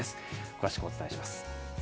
詳しくお伝えします。